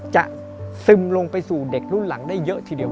ซึมลงไปสู่เด็กรุ่นหลังได้เยอะทีเดียว